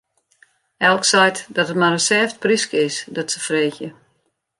Elk seit dat it mar in sêft pryske is, dat se freegje.